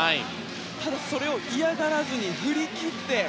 ただ、それを嫌がらず振り切って。